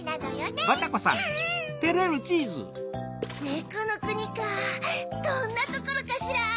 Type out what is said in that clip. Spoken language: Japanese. ねこのくにかどんなところかしら！